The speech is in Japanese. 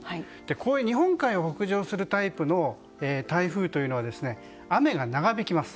こういう日本海を北上するタイプの台風は雨が長引きます。